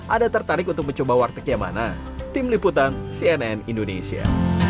anda tertarik untuk mencoba warteg yang mana tim liputan cnn indonesia